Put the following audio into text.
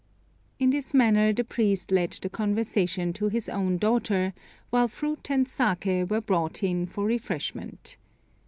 In this manner the priest led the conversation to his own daughter, while fruit and sake were brought in for refreshment.